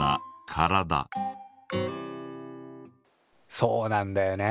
そうなんだよね